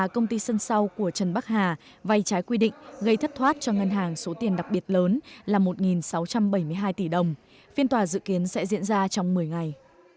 công ty sân sau của trần bắc hà vay trái quy định gây thất thoát cho ngân hàng số tiền đặc biệt lớn là một sáu trăm bảy mươi hai tỷ đồng phiên tòa dự kiến sẽ diễn ra trong một mươi ngày